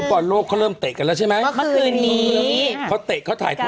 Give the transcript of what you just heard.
บอลโลกเขาเริ่มเตะกันแล้วใช่ไหมเมื่อคืนนี้เขาเตะเขาถ่ายทอด